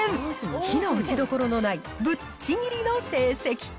非の打ちどころのないぶっちぎりの成績。